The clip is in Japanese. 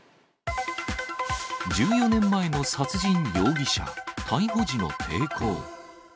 １４年前の殺人容疑者、逮捕時の抵抗。